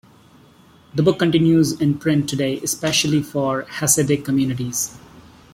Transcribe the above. The book continues in print today, especially for Hasidic communities.